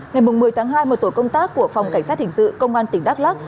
ngày một mươi tháng hai một tổ công tác của phòng cảnh sát hình sự công an tỉnh đắk lắc